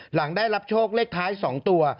หลังได้รับโชคเลขท้าย๒ตัว